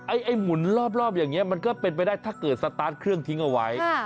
ไอ้หมุนรอบอย่างนี้มันก็เป็นไปได้ถ้าเกิดสตาร์ทเครื่องทิ้งเอาไว้